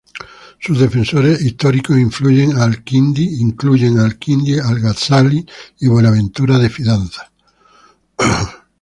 Sus defensores históricos incluyen a Al-Kindi, Al-Ghazali y Buenaventura de Fidanza.